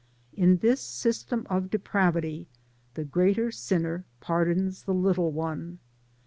In this system of depravity the great sinner pardons the little one.